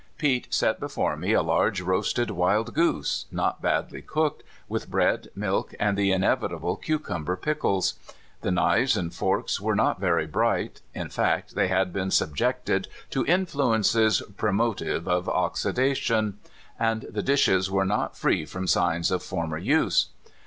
Pete set before me a large roasted wild goose, not badly cooked, with bread, milk, and the inev itable cucumber pickles. The knives and forks were not very bright — in fact, they had been sub jected to influences promotive of oxidation; and the dishes were not free from signs of former use.